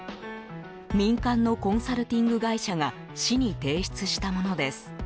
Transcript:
民間のコンサルティング会社が市に提出したものです。